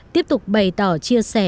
tiếp tục bày tỏ chia sẻ